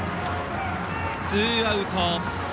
ツーアウト。